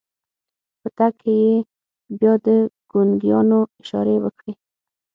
په تګ کې يې بيا د ګونګيانو اشارې وکړې.